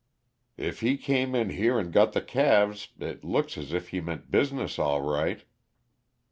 "If he came in here and got the calves, it looks as if he meant business, all right."